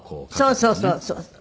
そうそうそうそうそう。